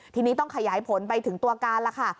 ทีนี้ต้องขยายผลไปถึงตัวการแล้วค่ะ